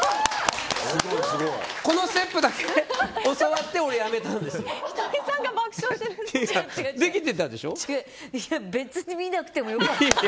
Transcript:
このステップだけ教わって俺やめたんです。